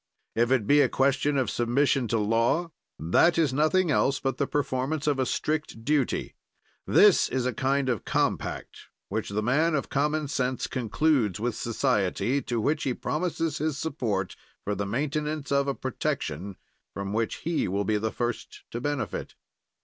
"If it be a question of submission to law, that is nothing else but the performance of a strict duty; this is a kind of compact which the man of common sense concludes with society, to which he promises his support for the maintenance of a protection from which he will be the first to benefit.